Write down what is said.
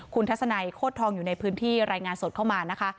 คุณทัศนัยโคตรทองอยู่ในพื้นที่รายงานสดเข้ามานะคะ